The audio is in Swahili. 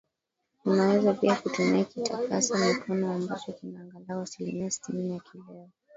Unaweza pia kutumia kitakasa mikono ambacho kina angalau asilimia Sitini ya kileo